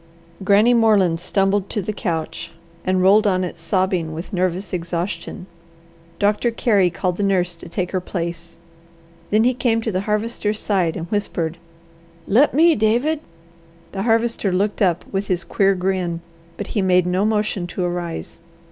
Granny Moreland stumbled to the couch and rolled on it sobbing with nervous exhaustion. Doctor Carey called the nurse to take her place. Then he came to the Harvester's side and whispered, "Let me, David!" The Harvester looked up with his queer grin, but he made no motion to arise.